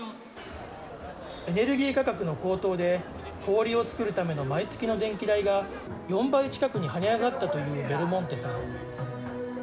エネルギー価格の高騰で氷をつくるための毎月の電気代が４倍近くに跳ね上がったというベルモンテさん。